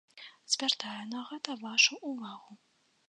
Звяртаю на гэта вашу увагу.